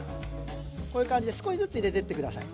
こういう感じで少しずつ入れてってください。